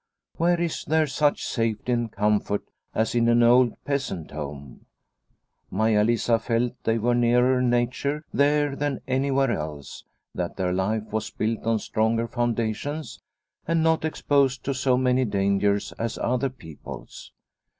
Where is there such safety and comfort as in an old peasant home ? Maia Lisa felt they 160 The Smith from Henriksberg 161 were nearer nature there than anywhere else, that their life was built on stronger foundations, and not exposed to so many dangers as other people's.